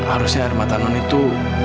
harusnya air mata nong itu